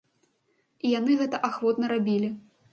І яны гэта ахвотна рабілі.